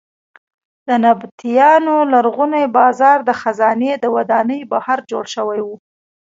د نبطیانو لرغونی بازار د خزانې د ودانۍ بهر جوړ شوی و.